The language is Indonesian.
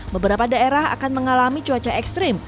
beberapa daerah akan mengalami cuaca ekstrim